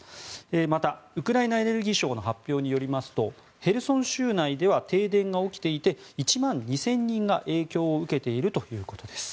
また、ウクライナエネルギー省の発表によりますとヘルソン州内では停電が起きていて１万２０００人が影響を受けているということです。